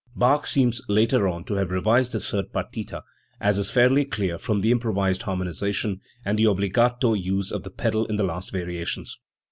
Bach seems later on to have revised the third partita, as is fairly clear from the improved harmonisation and the obbligato use of the pedal in the last variations.